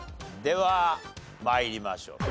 では参りましょう。